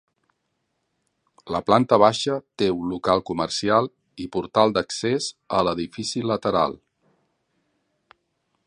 La planta baixa té un local comercial i portal d'accés a l'edifici lateral.